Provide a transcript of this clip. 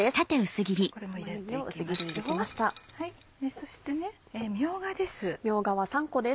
そしてみょうがです。